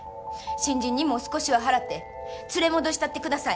新人にも少しは払って連れ戻したってください。